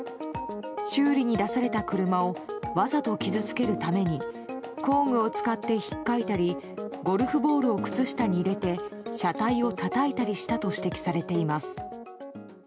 修理に出された車をわざと傷つけるために工具を使って引っかいたりゴルフボールを靴下に入れて車体をたたいたりしたと指摘されています。